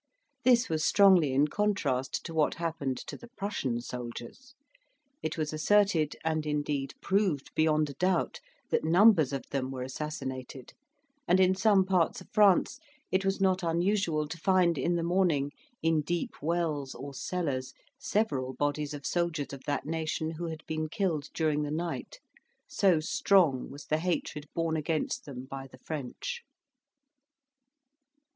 This was strongly in contrast to what occurred to the Prussian soldiers. It was asserted, and, indeed, proved beyond a doubt, that numbers of them were assassinated; and in some parts of France it was not unusual to find in the morning, in deep wells or cellars, several bodies of soldiers of that nation who had been killed during the night; so strong was the hatred borne against them by the French.